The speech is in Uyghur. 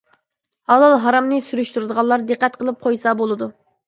ھالال-ھارامنى سۈرۈشتۈرىدىغانلار دىققەت قىلىپ قويسا بولىدۇ.